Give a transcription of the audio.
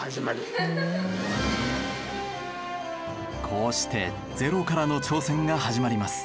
こうしてゼロからの挑戦が始まります。